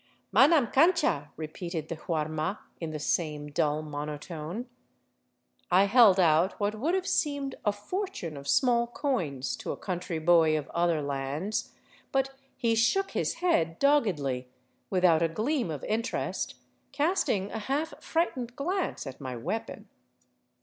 " Manam cancha," repeated the huarma in the same dull monotone. I held out what would have seemed a fortune of small coins to a coun try boy of other lands, but he shook his head doggedly, without a gleam of interest, casting a half frightened glance at my weapon.